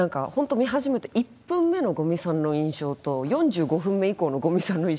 見始めて１分目の五味さんの印象と４５分目以降の五味さんの印象